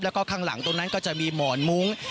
แล้วก็ข้างหลังตรงนั้นก็จะมีหมอนมุ้ง